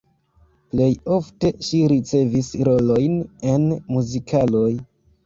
Plej ofte ŝi ricevis rolojn en muzikaloj.